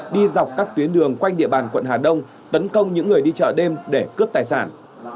đi dọc các tuyến đường quanh địa bàn quận hà đông tấn công những người đi chợ đêm để cướp tài sản